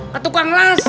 ke tukang las